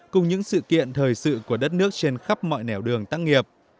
cùng những sự kiện thời sự của đất nước trên khắp mọi nẻo đường tác nghiệp